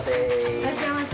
いらっしゃいませ。